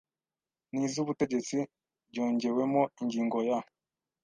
n izubutegetsi ryongewemo ingingo ya